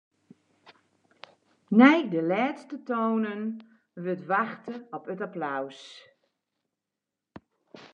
Nei de lêste toanen wurdt wachte op it applaus.